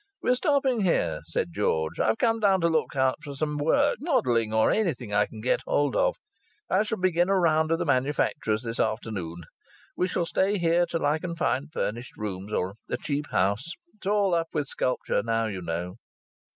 "We're stopping here," said George. "I've come down to look out for some work modelling, or anything I can get hold of. I shall begin a round of the manufacturers this afternoon. We shall stay here till I can find furnished rooms, or a cheap house. It's all up with sculpture now, you know."